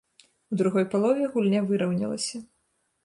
У другой палове гульня выраўнялася.